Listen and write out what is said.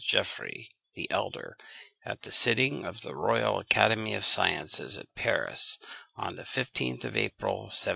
Geoffroy the elder, at the sitting of the Royal Academy of Sciences at Paris, on the 15th of April, 1722.